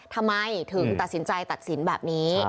ทำไมถึงตัดสินใจตัดสินแบบนี้